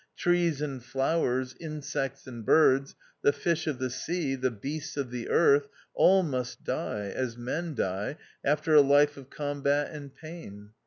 Trees and flowers, insects and birds, the fish of the sea, the beasts oi the earth — all must die, as men die, after a life of combat and pain.